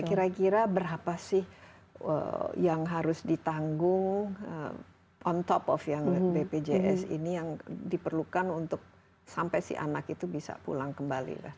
kira kira berapa sih yang harus ditanggung on top of yang bpjs ini yang diperlukan untuk sampai si anak itu bisa pulang kembali